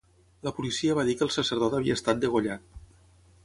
La policia va dir que el sacerdot havia estat degollat.